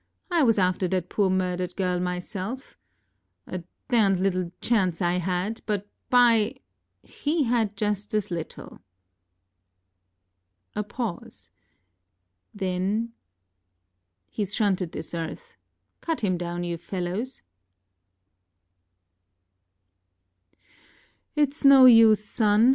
ŌĆ£I was after that poor murdered girl myself. A d little chance I had; but, by , he had just as little! ŌĆØ A pause then: ŌĆ£HeŌĆÖs shunted this earth. Cut him down, you fellows! ŌĆØ ŌĆ£ItŌĆÖs no use, son.